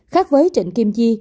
khác với trịnh kim chi